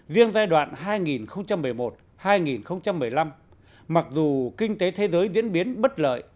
riêng giai đoạn hai nghìn một mươi một hai nghìn một mươi năm mặc dù kinh tế thế giới diễn biến bất lợi